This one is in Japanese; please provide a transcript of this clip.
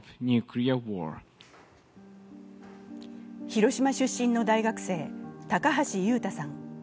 広島出身の大学生、高橋悠太さん。